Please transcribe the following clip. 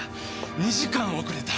２時間遅れた！